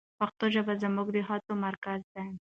پښتو ژبه زموږ د هڅو مرکز ده.